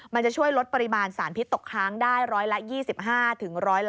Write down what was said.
มันจะช่วยลดปริมาณสารพิษตกค้างได้๑๒๕ถึง๑๕